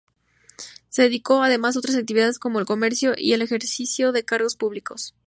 Se dedicó, además, otras actividades como el comercio y el ejercicio de cargos públicos.